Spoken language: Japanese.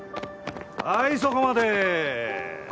はいそこまで！